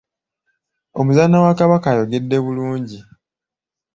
Omuzaana wa Kabaka ayogedde bulungi.